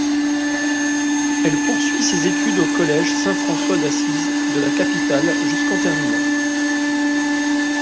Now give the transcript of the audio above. Elle poursuit ses études au collège Saint-François-d'Assise de la capitale jusqu'en terminale.